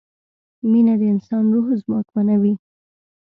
مینه د انسان روح ځواکمنوي.